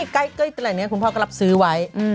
ใกล้แหล่งนี้คุณพ่อก็รับซื้อไว้